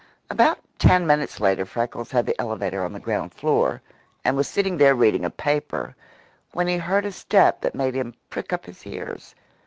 About ten minutes later Freckles had the elevator on the ground floor, and was sitting there reading a paper, when he heard a step that made him prick up his ears.